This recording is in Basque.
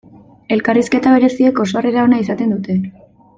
Elkarrizketa bereziek oso harrera ona izaten dute.